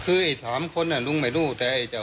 คือไอ้๓คนลุงไม่รู้แต่ไอ้เจ้า